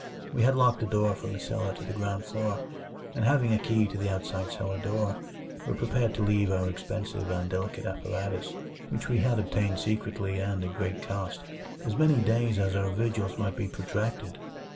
We had locked the door from the cellar to the ground floor; and having a key to the outside cellar door, were prepared to leave our expensive and delicate apparatus which we had obtained secretly and at great cost as many days as our vigils might be protracted.